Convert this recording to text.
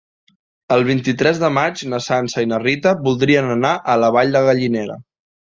El vint-i-tres de maig na Sança i na Rita voldrien anar a la Vall de Gallinera.